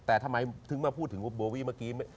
แต่ทำไมถึงมาพูดถึงว่าโบวี่เมื่อกี้